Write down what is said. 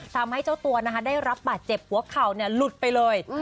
ทำให้เจ้าตัวได้รับบาดเจ็บหัวเข่าหลุดไปเลย